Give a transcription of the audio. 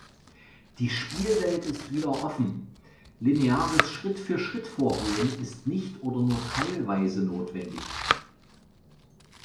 Die Spielwelt ist wieder offen: Lineares Schritt-für-Schritt-Vorgehen ist nicht oder nur teilweise notwendig.